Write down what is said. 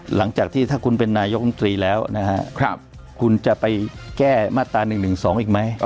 หลังจากที่ถ้าคุณเป็นนายกรรมตรีแล้วนะฮะคุณจะไปแก้มาตรา๑๑๒อีกไหม